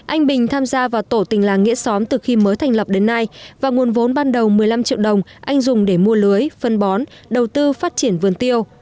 anh bình tham gia vào tổ tình làng nghĩa xóm từ khi mới thành lập đến nay và nguồn vốn ban đầu một mươi năm triệu đồng anh dùng để mua lưới phân bón đầu tư phát triển vườn tiêu